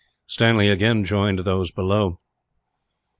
Stanley again joined those below.